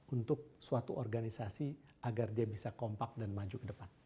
untuk suatu organisasi agar dia bisa kompak dan maju ke depan